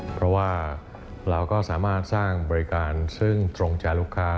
เพราะว่าเราก็สามารถสร้างบริการซึ่งตรงจากลูกค้า